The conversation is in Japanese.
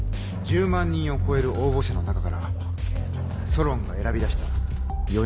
１０万人を超える応募者の中からソロンが選び出した４人です。